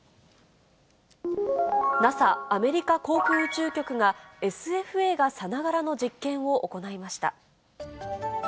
ＮＡＳＡ・アメリカ航空宇宙局が、ＳＦ映画さながらの実験を行いました。